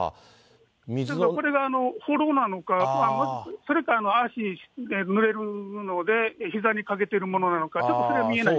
これがほろなのか、それか、ぬれるので、ひざにかけてるものなのか、ちょっとそれは見えない。